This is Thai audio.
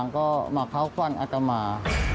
ก็มาเค้าว์ฟังอัตฑม่า